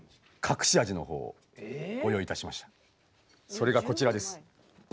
それがこちらです。